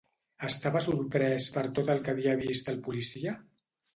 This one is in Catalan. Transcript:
Estava sorprès per tot el que havia vist el policia?